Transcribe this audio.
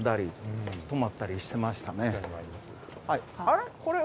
あれ？